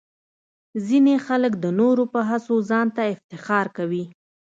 ځینې خلک د نورو په هڅو ځان ته افتخار کوي.